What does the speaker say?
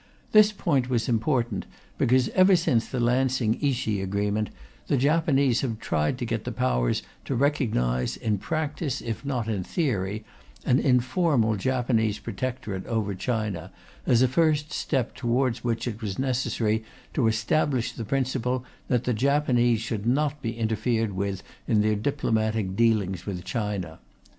This point was important, because, ever since the Lansing Ishii agreement, the Japanese have tried to get the Powers to recognize, in practice if not in theory, an informal Japanese Protectorate over China, as a first step towards which it was necessary to establish the principle that the Japanese should not be interfered with in their diplomatic dealings with China.